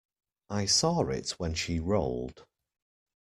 I saw it when she rolled.